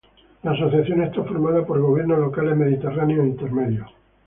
La Asociación está formada por gobiernos locales mediterráneos intermedios.